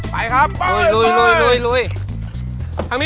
ไปครับไป